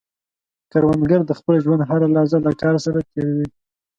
کروندګر د خپل ژوند هره لحظه له کار سره تېر وي